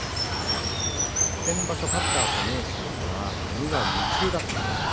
先場所勝ったあと明生は無我夢中だったと。